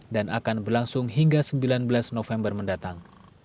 dan akan berlangsung hingga sembilan belas november mendatang